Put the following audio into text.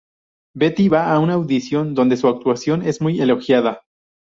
Betty va a una audición, donde su actuación es muy elogiada.